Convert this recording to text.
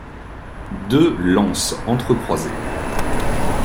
Deux lances entrecroisées.